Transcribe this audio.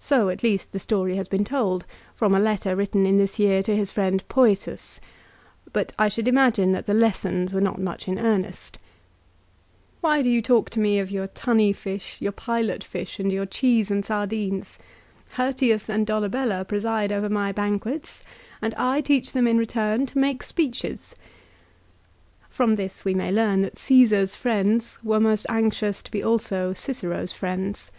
So at least the story has been told, from a letter written in this year to his friend Pcetus ; but I should imagine that the lessons were not much in earnest. " Why do you 1 Ad Fum. lib. iv. 14. MARCELLUS, LIGARIUS, AND DEIOTARUS. 185 talk to me of your tunny fish, your pilot fish, and your cheese and sardines ? Hirtius and Dolabella preside over my banquets, and I teach them in return to make speeches." 1 From this we may learn that Caesar's friends were most anxious to be also Cicero's friends.